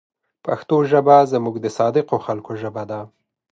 پښتو ژبه زموږ د صادقو خلکو ژبه ده.